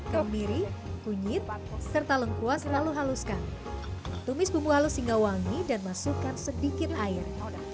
kemiri kunyit serta lengkuas lalu haluskan tumis bumbu halus hingga wangi dan masukkan sedikit air